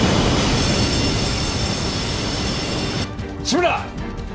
志村！